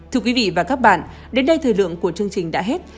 thưa quý vị và các bạn đến đây thời lượng của chương trình đã hết